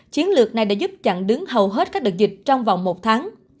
chiến lược này đã giúp chặn đứng hầu hết các đợt dịch trong vòng một tháng